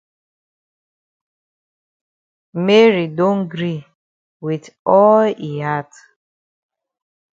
Mary don gree wit all yi heart.